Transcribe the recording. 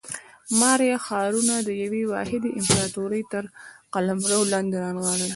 مایا ښارونه د یوې واحدې امپراتورۍ تر قلمرو لاندې رانغلل.